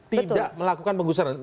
tidak melakukan penggusuran